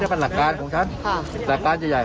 ไอ้นั่นกรั่วคือหลักการหลักการใหญ่